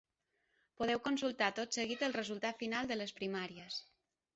Podeu consultar tot seguit el resultat final de les primàries.